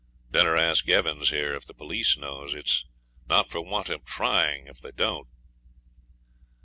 'Better ask Evans here if the police knows. It is not for want of trying if they don't.'